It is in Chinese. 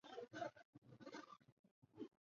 希腊王国因此否认阿尔巴尼亚民族的独立地位。